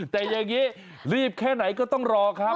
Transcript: แต่อย่างนี้รีบแค่ไหนก็ต้องรอครับ